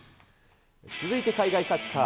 続いて海外サッカー。